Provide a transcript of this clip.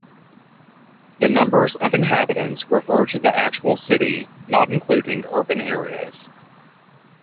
The numbers of inhabitants refer to the actual city, not including urban areas.